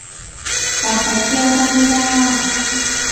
การไปเที่ยวก็ไม่ยาก